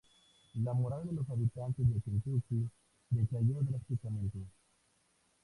La moral de los habitantes de Kentucky decayó drásticamente.